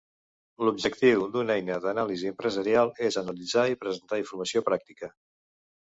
L'objectiu d'una eina d'anàlisi empresarial és analitzar i presentar informació pràctica.